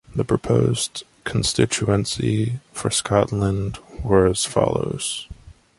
The proposed constituencies for Scotland were as follows.